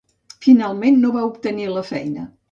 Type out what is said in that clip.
Finalment, no va obtenir la feina.